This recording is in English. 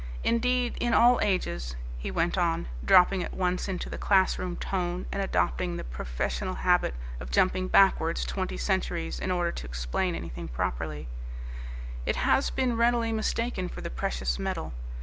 Indeed, in all ages," he went on, dropping at once into the classroom tone and adopting the professional habit of jumping backwards twenty centuries in order to explain anything properly, "it has been readily mistaken for the precious metal.